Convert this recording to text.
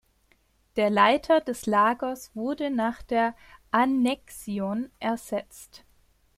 Der Leiter der Lagers wurde nach der Annexion ersetzt.